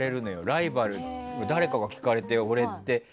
ライバル、誰かか聞かれて俺って。